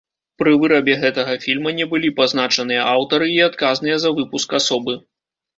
Пры вырабе гэтага фільма не былі пазначаныя аўтары і адказныя за выпуск асобы.